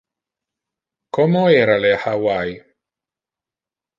Como era le Hawaii?